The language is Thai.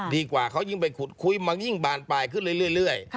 ดีกว่าเขายิ่งไปขุดคุยมันยิ่งบานปลายขึ้นเรื่อย